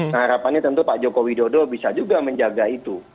nah harapannya tentu pak joko widodo bisa juga menjaga itu